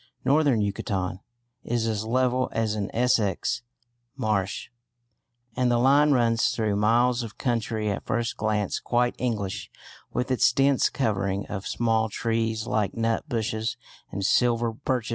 Northern Yucatan is as level as an Essex marsh, and the line runs through miles of country at first glance quite English with its dense covering of small trees like nut bushes and silver birches.